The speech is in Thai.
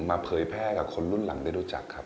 เผยแพร่กับคนรุ่นหลังได้รู้จักครับ